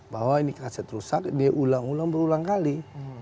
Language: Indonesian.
bahwa ini kaset rusak dia ulang ulang berulang kali